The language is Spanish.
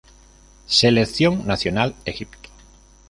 Seleccion Nacional Egipto